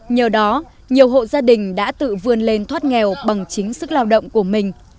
nhờ đó nhiều hộ gia đình đã tự vươn lên thoát nghèo bằng chính sức lao động của mình